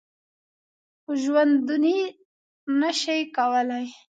په ژوندوني نه شي کولای .